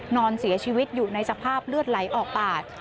นอนเสียชีวิตอยู่ในสภาพเลือดไหลออกปาก